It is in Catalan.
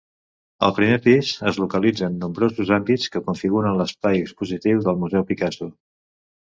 Al primer pis, es localitzen nombrosos àmbits que configuren l'espai expositiu del Museu Picasso.